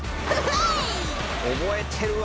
「覚えてるわ」